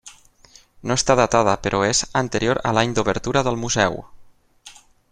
No està datada però és anterior a l'any d'obertura del Museu.